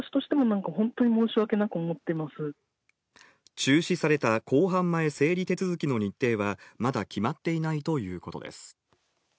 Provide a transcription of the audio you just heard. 中止された公判前整理手続きの日程はまだ決まっていないということです。